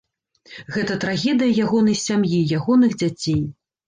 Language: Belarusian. Гэта трагедыя ягонай сям'і, ягоных дзяцей.